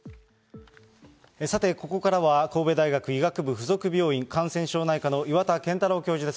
さて、ここからは、神戸大学医学部附属病院、感染症内科の岩田健太郎教授です。